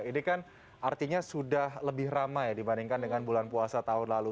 ini kan artinya sudah lebih ramai dibandingkan dengan bulan puasa tahun lalu